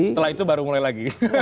setelah itu baru mulai lagi